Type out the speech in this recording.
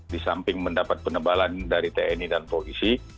di samping mendapat penebalan dari tni dan polisi